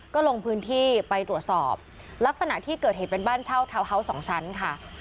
ก็ลงพื้นที่ไปตรวจสอบลักษณะที่เกิดเหตุเป็นบ้านเช่าทาวน์เฮาส์สองชั้นค่ะ